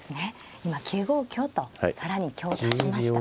今９五香と更に香を足しました。